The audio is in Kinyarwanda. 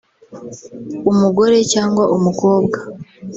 umugore cyangwa umukobwa